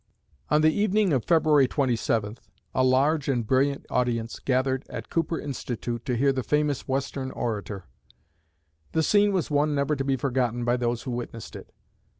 '" On the evening of February 27 a large and brilliant audience gathered at Cooper Institute, to hear the famous Western orator. The scene was one never to be forgotten by those who witnessed it.